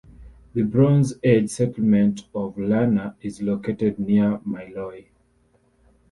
The Bronze Age settlement of Lerna is located near Myloi.